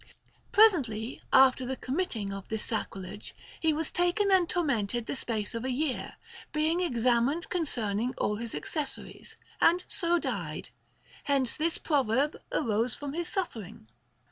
Presently after the committing of this sacrilege, he was taken and tormented the space of a year, being examined concerning all his accessories, and so died ; hence this proverb arose from his suffering.